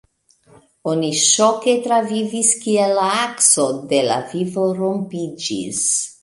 Oni ŝoke travivis kiel la akso de la vivo rompiĝis.